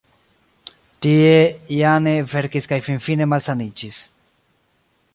Tie Jane verkis kaj finfine malsaniĝis.